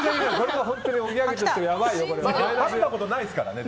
食べたことないですからね